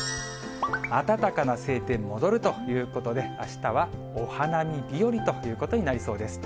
暖かな晴天戻るということで、あしたはお花見日和ということになりそうです。